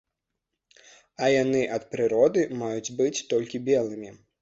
А яны ад прыроды маюць быць толькі белымі.